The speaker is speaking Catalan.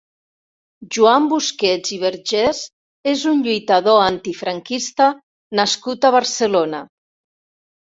Joan Busquets i Vergés és un lluitador antifranquista nascut a Barcelona.